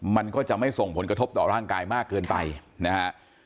มันก็จะไม่ส่งผลกระทบต่อร่างกายมากเกินไปนะฮะ